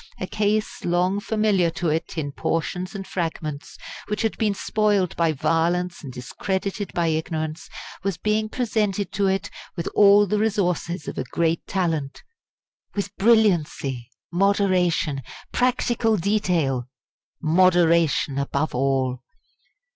A case long familiar to it in portions and fragments, which had been spoilt by violence and discredited by ignorance, was being presented to it with all the resources of a great talent with brilliancy, moderation, practical detail moderation above all!